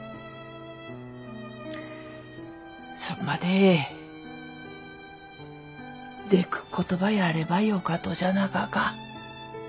それまででくっことばやればよかとじゃなかか。